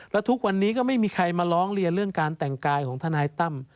แล้วทุกวันนี้ก็ไม่มีใครมาร้องเรียนเรื่องการแต่งกายของทนายตั้ม